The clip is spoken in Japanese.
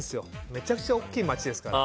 めちゃくちゃ大きい街ですから。